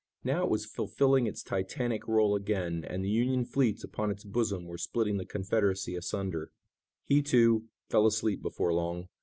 Now it was fulfilling its titanic role again, and the Union fleets upon its bosom were splitting the Confederacy asunder. He, too, fell asleep before long.